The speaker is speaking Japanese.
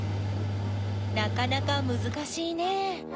なかなかむずかしいね。